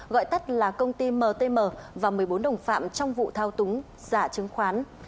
gọi tắt là công ty mtm và một mươi bốn đồng phạm trong vụ thao túng giả chứng khoán